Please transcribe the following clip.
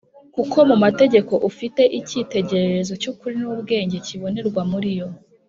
kuko mu mategeko ufite icyitegererezo cy’ukuri n’ubwenge kibonerwa muri yo.